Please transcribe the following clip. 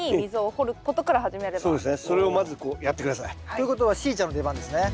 ということはしーちゃんの出番ですね。